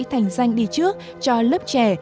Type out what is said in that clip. thành danh đi trước cho lớp trẻ